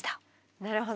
なるほど。